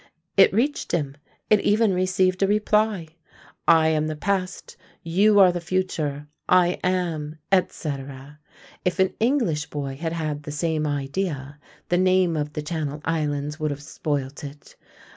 It reached him. It even received a reply: "I am the Past, you are the Future; I am, etc." If an English boy had had the same idea the name of the Channel Islands would have spoilt it.